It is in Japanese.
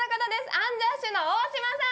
アンジャッシュの大島さん